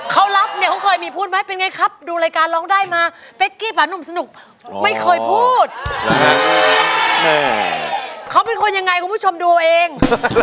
เขาเป็นคนยังไงคุณผู้ชมดูเอง